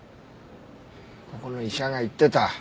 ここの医者が言ってた。